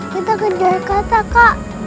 kita ke jakarta kak